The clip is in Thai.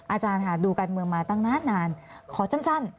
อาจารย์ค่ะดูการเมืองมาตั้งนานขอสั้น